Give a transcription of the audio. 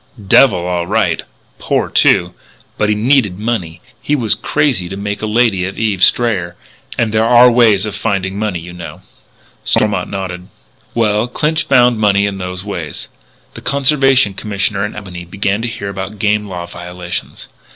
"Devil, all right. Poor, too. But he needed money. He was crazy to make a lady of Eve Strayer. And there are ways of finding money, you know." Stormont nodded. "Well, Clinch found money in those ways. The Conservation Commissioner in Albany began to hear about game law violations.